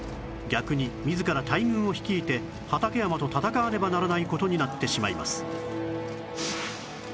逆に自ら大軍を率いて畠山と戦わねばならない事になってしまいます